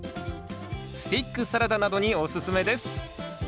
スティックサラダなどにおすすめです